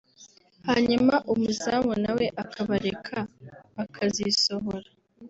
hanyuma umuzamu nawe akabareka bakazisohora